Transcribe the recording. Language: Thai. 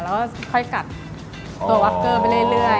แล้วก็ค่อยกัดตัววักเกอร์ไปเรื่อย